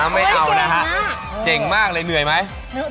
ไม่เอานะฮะเก่งมากเลยเหนื่อยไหม